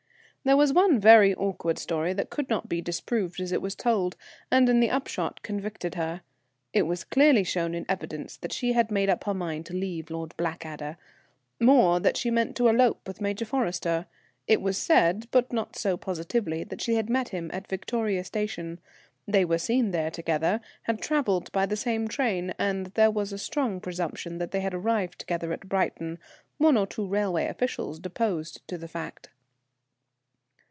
There was one very awkward story that could not be disproved as it was told, and in the upshot convicted her. It was clearly shown in evidence that she had made up her mind to leave Lord Blackadder; more, that she meant to elope with Major Forrester. It was said, but not so positively, that she had met him at Victoria Station; they were seen there together, had travelled by the same train, and there was a strong presumption that they had arrived together at Brighton; one or two railway officials deposed to the fact.